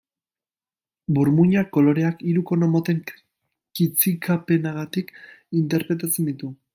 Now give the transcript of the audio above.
Burmuinak, koloreak, hiru kono moten kitzikapenagatik interpretatzen ditu.